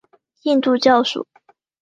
印度教属。